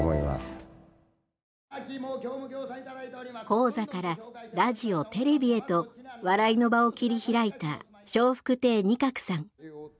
高座からラジオテレビへと笑いの場を切り開いた笑福亭仁鶴さん。